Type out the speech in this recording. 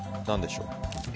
何でしょう。